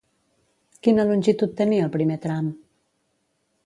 Quina longitud tenia el primer tram?